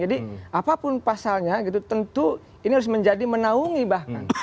jadi apapun pasalnya tentu ini harus menjadi menaungi bahkan